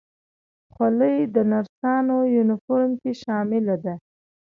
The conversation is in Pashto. خولۍ د نرسانو یونیفورم کې شامله ده.